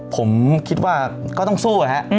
ผมคิดว่าก็ต้องสู้นะฮะ